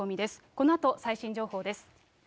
このあと最新情報です。